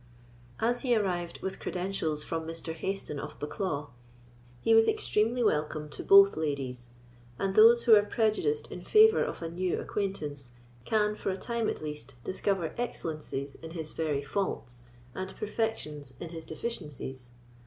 As he arrived with credentials from Mr. Hayston of Bucklaw, he was extremely welcome to both ladies; and those who are prejudiced in favour of a new acquaintance can, for a time at least, discover excellencies in his very faults and perfections in his deficiencies.